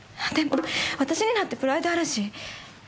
でも私にだってプライドあるし。